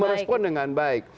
merespon dengan baik